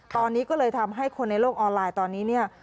ตอนนี้ก็เลยทำให้คนในโลกออนไลน์ตอนนี้เนี่ย